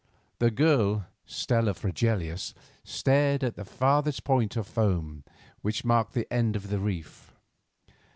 The girl, Stella Fregelius, stared at the farthest point of foam which marked the end of the reef.